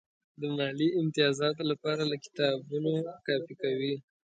د مالي امتیازاتو لپاره له کتابونو کاپي کوي.